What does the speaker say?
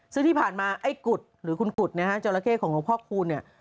ซึ่งที่ผ่านมาไอ้กุฎหรือคุณกุฎนะฮะจราเข้ของหลวงพ่อคูณเนี่ย